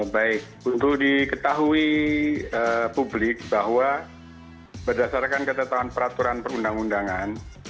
baik untuk diketahui publik bahwa berdasarkan ketetapan peraturan perundang undangan